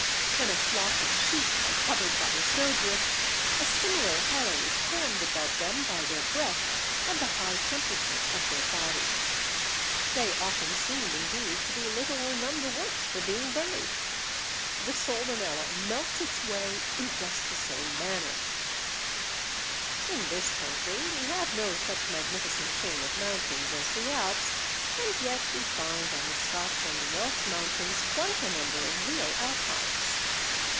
When a flock of sheep are covered by a snowdrift, a similar hollow is formed above them by their breath and the high temperature of their bodies: they often seem indeed to be little or none the worse for being buried. The Soldanella melts its way in just the same manner. Kerner, Natural History of Plants (Blackie), vol. 1, p. 468. In this country we have no such magnificent chain of mountains as the Alps, and yet we find on the Scotch and Welsh mountains quite a number of real alpines.